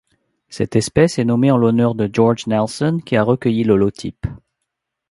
Cette espèce est nommée en l'honneur de George Nelson qui a recueilli l'holotype.